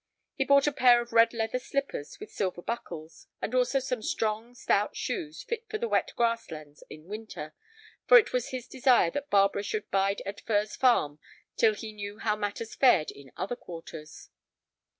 He bought a pair of red leather slippers with silver buckles, and also some strong, stout shoes fit for the wet grass lands in winter, for it was his desire that Barbara should bide at Furze Farm till he knew how matters fared in other quarters.